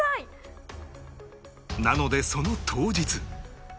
なのでその当日